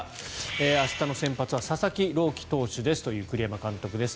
明日の先発は佐々木朗希投手ですという栗山監督です。